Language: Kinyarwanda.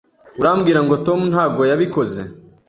Urambwira ngo Tom ntabwo yabikoze?